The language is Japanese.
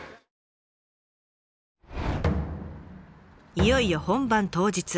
いよいよ本番当日。